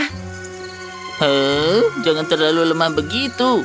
hah jangan terlalu lemah begitu